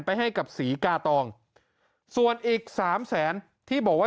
ให้กับศรีกาตองส่วนอีกสามแสนที่บอกว่า